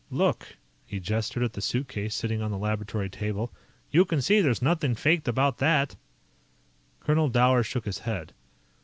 "Look." He gestured at the suitcase sitting on the laboratory table. "You can see there's nothing faked about that." Colonel Dower shook his head.